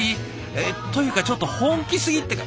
えっ？というかちょっと本気すぎっていうか